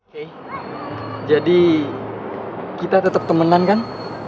kay jadi kita tetep temenan kan